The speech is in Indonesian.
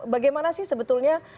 bagaimana sih sebetulnya